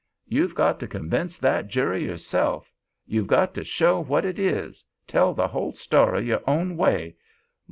You've got to convince that jury yourself. You've got to show what it is—tell the whole story your own way.